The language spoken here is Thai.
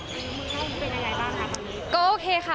เมืองเมืองไทยเป็นอย่างไรบ้างครับ